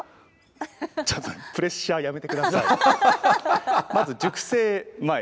ちょっとプレッシャー、やめてください。